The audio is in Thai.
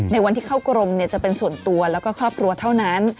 ในวันที่เข้ากรมจะเป็นส่วนตัวแล้วก็ครอบครัวเท่านั้น